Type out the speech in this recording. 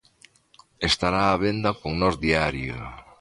Estará á venda con Nós Diario.